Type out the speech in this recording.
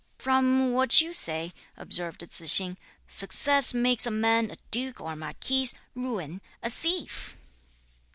"From what you say," observed Tzu hsing, "success makes (a man) a duke or a marquis; ruin, a thief!"